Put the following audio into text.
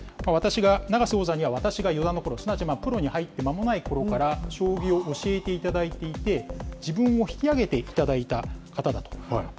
永瀬王座には、私が四段のころ、プロに入って間もないころから将棋を教えていただいていて、自分を引き上げていただいた方だと。